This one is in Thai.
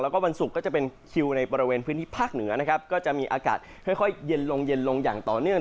แล้วก็วันศุกร์ก็จะเป็นคิวในบริเวณพื้นที่ภาคเหนือนะครับก็จะมีอากาศค่อยเย็นลงเย็นลงอย่างต่อเนื่อง